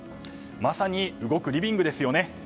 まさに、動くリビングですよね。